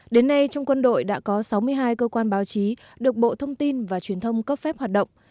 đến nay trong quân đội đã có sáu mươi hai cơ quan báo chí được bộ thông tin và truyền thông cấp phép hoạt động